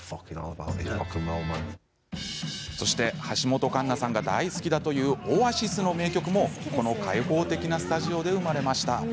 橋本環奈さんも大好きなオアシスの名曲もこの開放的なスタジオで生まれました。